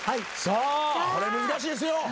これ難しいですよ。